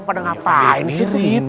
pada ngapain sih itu